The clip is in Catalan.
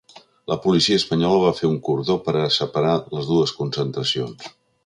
La policia espanyola va fer un cordó per a separar les dues concentracions.